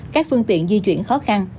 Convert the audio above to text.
các phương tiện di chuyển khó khăn